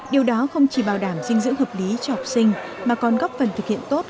điều đó không chỉ bảo đảm dinh dưỡng hợp lý cho học sinh mà còn góp phần thực hiện tốt